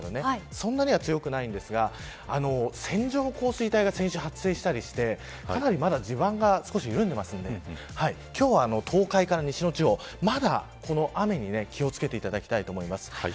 そんなには強くないんですが線状降水帯が先週発生したりしてかなりまだ地盤が緩んでいるので今日は、東海から西の地方まだこの雨に気を付けていただきたいと思います。